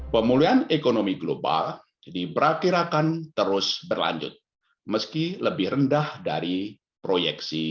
pemulihan ekonomi global diperakirakan terus berlanjut meski lebih rendah dari proyeksi